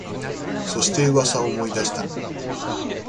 そして、噂を思い出した